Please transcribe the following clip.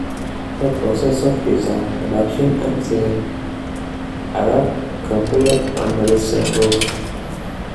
The process of design, production and sale arec completed under the same roof.